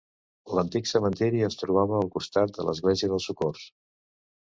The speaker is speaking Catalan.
L'antic cementiri es trobava al costat de l'església del Socors.